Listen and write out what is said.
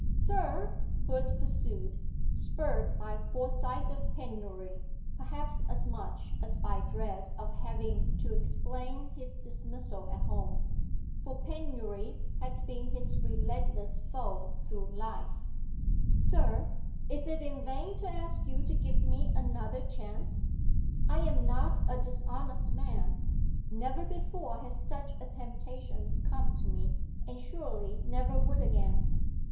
'Sir,' Hood pursued, spurred by foresight of penury perhaps as much as by dread of having to explain his dismissal at home, for penury had been his relentless foe through life Sir, is it in vain to ask you to give me another chance? I am not a dishonest man; never before has such a temptation come to me, and surely never would again.